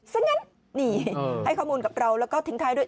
ซะงั้นนี่ให้ข้อมูลกับเราแล้วก็ทิ้งท้ายด้วย